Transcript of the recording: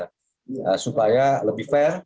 ee supaya lebih fair